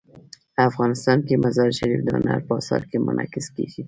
افغانستان کې مزارشریف د هنر په اثار کې منعکس کېږي.